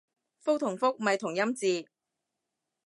覆同復咪同音字